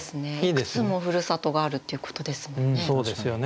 いくつもふるさとがあるっていうことですもんね。